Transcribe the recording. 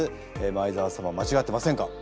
前澤様間違ってませんか？